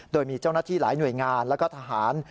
โดยมีเจ้าหน้าที่หลายหน่วยงานแล้วก็ทหาร